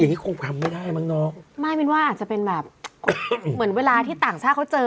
งี้คงทำไม่ได้มั้งเนาะไม่เป็นว่าอาจจะเป็นแบบเหมือนเวลาที่ต่างชาติเขาเจอ